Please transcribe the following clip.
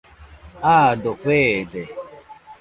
Aado feede.